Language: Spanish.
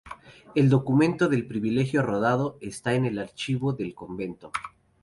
El documento del "privilegio rodado" está en el archivo del convento.